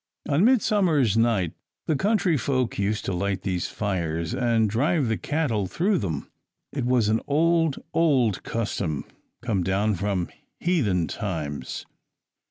On midsummer's night the country people used to light these fires, and drive the cattle through them. It was an old, old custom come down from heathen times.